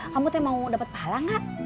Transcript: kamu mau dapet pahala gak